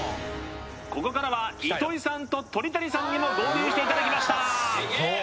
ここからは糸井さんと鳥谷さんにも合流していただきましたー